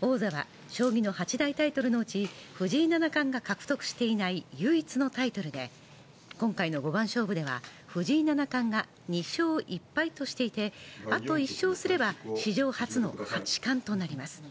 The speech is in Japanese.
王座は、将棋の８大タイトルのうち藤井七冠が獲得していない唯一のタイトルで、今回の五番勝負では藤井七冠が２勝１敗としていて、あと１勝すれば、史上初の八冠となります。